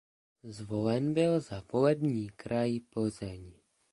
Zvolen byl za volební kraj Plzeň.